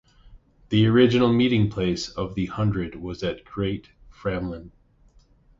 The original meeting place of the hundred was at Great Framland.